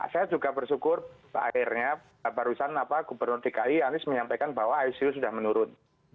saya juga bersyukur akhirnya barusan gubernur dki anies menyampaikan bahwa icu sudah menurun